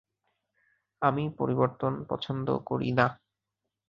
আমি পরিবর্তন পছন্দ করি না।